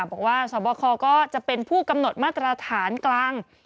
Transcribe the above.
บอกว่าสวบคก็จะเป็นผู้กำหนดมาตรฐานกลาง